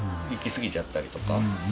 行き過ぎちゃったりとか。